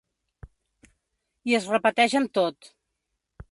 I es repeteix amb tot.